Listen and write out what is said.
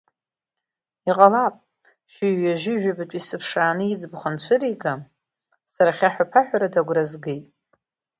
Иҟалап, шәи ҩажәыжәабаҩтәи сыԥшааны иӡбахә анцәырига, сара хьаҳәа-ԥаҳәарада агәра згеит…